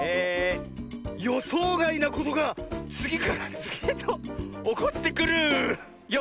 「よそうがいなことがつぎからつぎへとおこってくるよ！」。